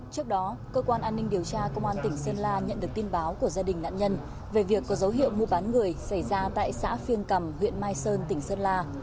trước đó cơ quan an ninh điều tra công an tỉnh sơn la nhận được tin báo của gia đình nạn nhân về việc có dấu hiệu mua bán người xảy ra tại xã phiêng cầm huyện mai sơn tỉnh sơn la